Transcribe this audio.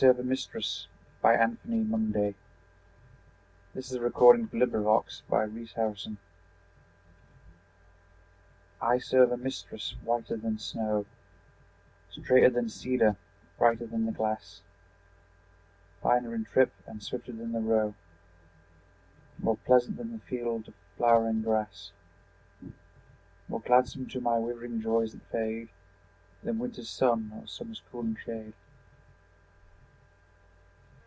C D . E F . G H . I J . K L . M N . O P . Q R . S T . U V . W X . Y Z I Serve a Mistress I SERVE a mistress whiter than snow, Straighter than cedar, brighter than the glass, Finer in trip and swifter than the roe, More pleasant than the field of flowering grass; More gladsome to my withering joys that fade, Than winter's sun or summer's cooling shade.